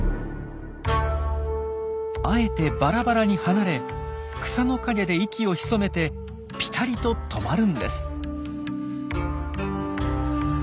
あえてバラバラに離れ草の陰で息を潜めてピタリと止まるんです。